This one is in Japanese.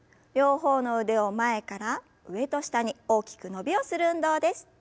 両方の腕を前から上と下に大きく伸びをする運動です。